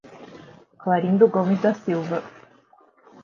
Clarindo Gomes da Silva